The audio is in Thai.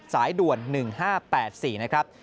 สายด่วน๑๕๘๔นะครับ